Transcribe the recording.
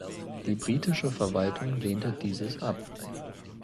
Die britische Verwaltung lehnte dieses ab.